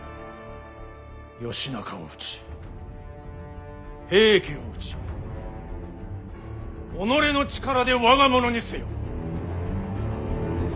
義仲を討ち平家を討ち己の力で我が物にせよ。